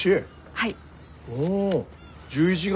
はい。